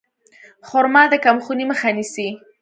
خرما د کمخونۍ مخه نیسي.